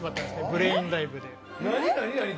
ブレインダイブで。